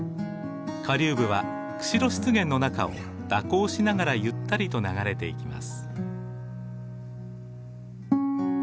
下流部は釧路湿原の中を蛇行しながらゆったりと流れていきます。